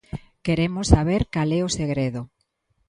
Queremos saber cal é o segredo.